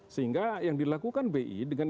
sehingga yang dilakukan bi dengan